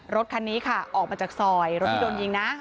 รถคันนี้ค่ะออกมาจากซอยรถที่โดนยิงนะ